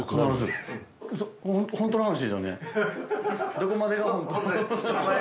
どこまでがホント？